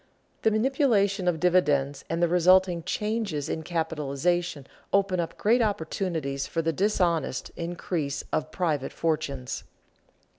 _The manipulation of dividends and the resulting changes in capitalization open up great opportunities for the dishonest increase of private fortunes.